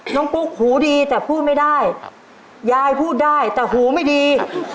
ปุ๊กหูดีแต่พูดไม่ได้ยายพูดได้แต่หูไม่ดี